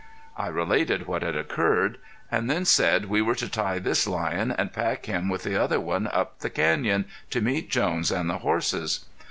I related what had occurred, and then said we were to tie this lion and pack him with the other one up the canyon, to meet Jones and the horses.